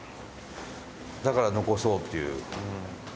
だから、残そうっていう。